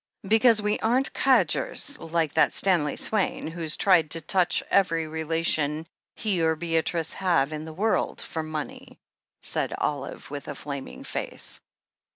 "Because we aren't cadgers, like that Stanley Swaine, who's tried to touch every relation he or Beatrice haye in the world for money," said Olive, with a flaming face.